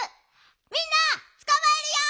みんなつかまえるよ！